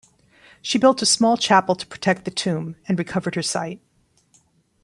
She built a small chapel to protect the tomb and recovered her sight.